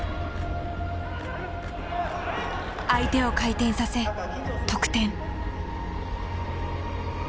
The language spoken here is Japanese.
相手を回転させ得点。